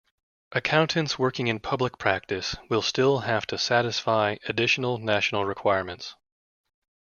Accountants working in public practice will still have to satisfy additional national requirements.